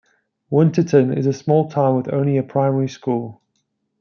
Winterton is a small town with only a primary school.